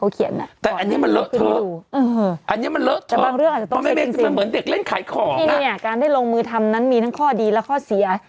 การได้ลงมือทำนั้นมีทั้งข้อดีและข้อเสีย